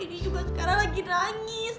ini juga sekarang lagi nangis